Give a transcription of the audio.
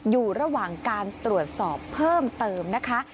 อยู่ระหว่างการตรวจสอบเพิ่มเติมนะคะ